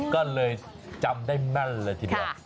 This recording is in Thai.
ก็เลยจำได้แม่นเลยทีเดียว